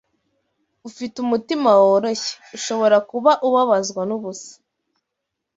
ufite umutima woroshye, ushobora kuba ubabazwa n’ubusa